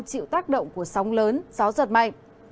chịu tác động của sóng lớn gió giật mạnh